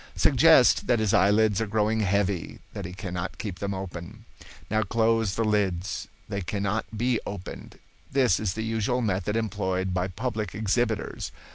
Suggest that his eyelids are growing heavy, that he cannot keep them open. Now close the lids. They cannot be opened. This is the usual method employed by public exhibitors.